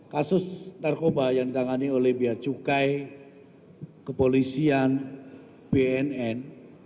kasus narkoba yang ditangani oleh beacukai kepolisian bnn